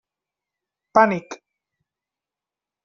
Pànic.